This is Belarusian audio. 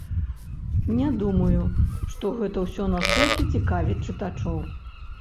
Не думаю, што гэта ўсё настолькі цікавіць чытачоў.